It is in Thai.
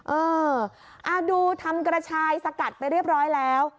เออดูทำกระชายสกัดไปเรียบร้อยแล้ว